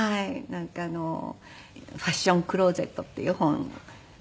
なんか『ファッションクローゼット』っていう本がはい。